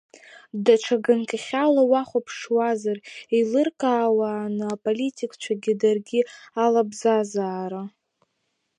Даҽа ганкахьала уахәаԥшуазар, еилыркаауаны аполитикаҵәҟьа даргьы алабзазар?